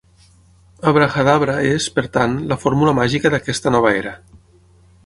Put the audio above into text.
Abrahadabra és, per tant, la "fórmula màgica" d'aquesta nova era.